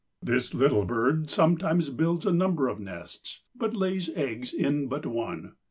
This little bird sometimes builds a number of nests, but lays eggs in but one.